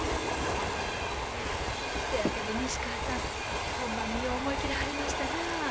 いやそやけど西川さんほんまによう思い切らはりましたなあ。